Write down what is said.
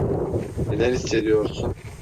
Neler hissediyorsun?